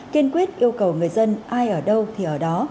kiên quyết yêu cầu người dân ai ở đâu thì ở đó